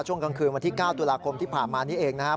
ช่วงกลางคืนวันที่๙ตุลาคมที่ผ่านมานี้เองนะครับ